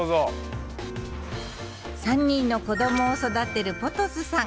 ３人の子どもを育てるポトスさん。